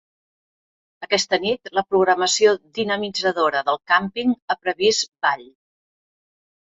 Aquesta nit la programació dinamitzadora del càmping ha previst ball.